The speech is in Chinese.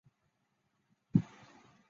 几乎所有的人类都有穿着衣物的文化。